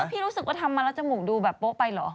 พี่รู้สึกว่าทำมาแล้วจมูกดูแบบโป๊ะไปเหรอ